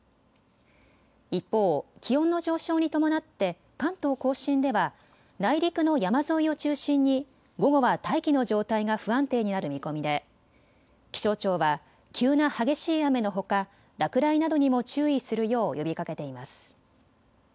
一方、気温の上昇に伴って関東甲信では内陸の山沿いを中心に午後は大気の状態が不安定になる見込みで気象庁は急な激しい雨のほか落雷などにも注意するよう呼びかけています。